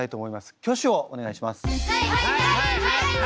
挙手をお願いします。